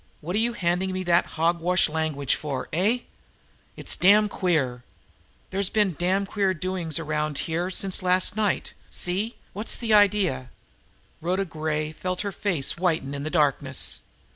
"What are you handing me that hog wash language for? Eh? It's damned queer! There's been damned queer doings around here ever since last night! See? What's the idea?" Rhoda Gray felt her face whiten in the darkness.